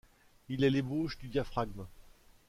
Il est l'ébauche du diaphragme.